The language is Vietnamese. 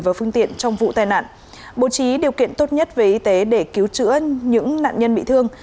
và phương tiện trong vụ tai nạn bộ trí điều kiện tốt nhất về y tế để cứu trữ ân những nạn nhân bị thương